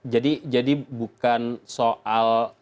jadi bukan soal